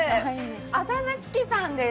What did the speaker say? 麻布しきさんです。